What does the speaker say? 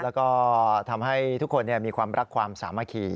แล้วก็ทำให้ทุกคนมีความรักความสามัคคี